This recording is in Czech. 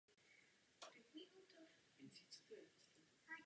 Míček máme stále na očích a budeme situaci naživo sledovat.